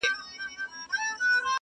څوك به وژاړي سلګۍ د يتيمانو،